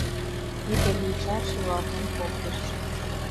Ӱдыр йоча шӱлалтен колтыш: